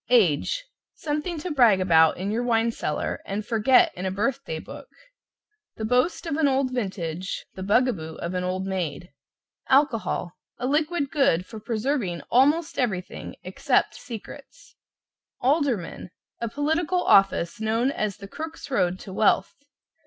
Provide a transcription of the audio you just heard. =AGE= Something to brag about in your wine cellar and forget in a birth day book The boast of an old vintage, the bug a boo of an old maid. =ALCOHOL= A liquid good for preserving almost everything except secrets. =ALDERMAN= A political office known as the Crook's Road to Wealth.